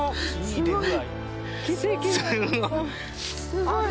すごい！